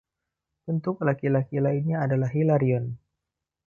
Bentuk laki-laki lainnya adalah Hilarion.